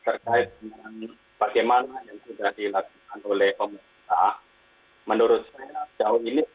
terkait dengan bagaimana yang sudah dilakukan oleh pemerintah menurut saya jauh ini